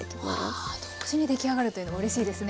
はあ同時に出来上がるというのもうれしいですね。